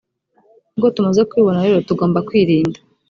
nk’uko tumaze kubibona rero tugomba kwirinda